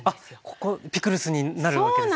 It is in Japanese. ここピクルスになるわけですね。